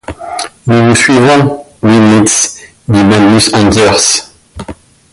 Nous vous suivrons, Will Mitz… dit Magnus Anders.